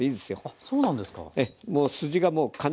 あっそうなんですか？